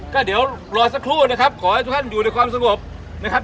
ก็เดี๋ยวรอสักครู่นะครับขอให้ทุกท่านอยู่ในความสงบนะครับ